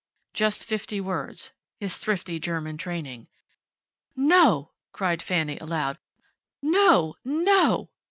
Just fifty words. His thrifty German training. "No!" cried Fanny, aloud. "No! No!"